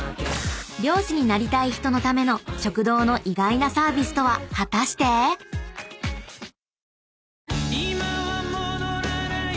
［漁師になりたい人のための食堂の意外なサービスとは果たして⁉］え？